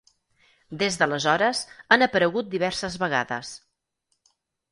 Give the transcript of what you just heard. Des d'aleshores, han aparegut diverses vegades.